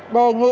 đề nghị tòa